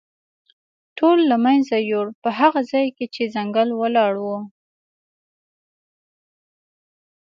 ټول له منځه یووړ، په هغه ځای کې چې ځنګل ولاړ و.